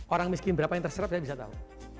orang miskin berapa yang terserap saya bisa tahu